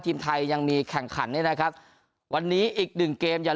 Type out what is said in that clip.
ทีมไทยยังมีแข่งขันเนี่ยนะครับวันนี้อีกหนึ่งเกมอย่าง